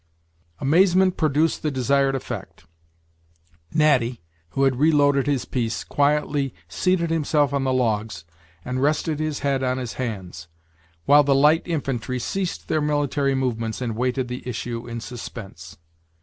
Amazement produced the desired effect. Natty, who had reloaded his piece, quietly seated himself on the logs, and rested his head on his hands, while the "Light Infantry" ceased their military movements, and waited the issue in suspense.